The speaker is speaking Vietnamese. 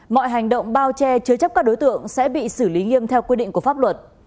mọi hành động bao che chứa chấp các đối tượng sẽ bị xử lý nghiêm theo quy định của pháp luật